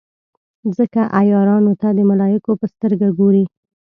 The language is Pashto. ځکه عیارانو ته د ملایکو په سترګه ګوري.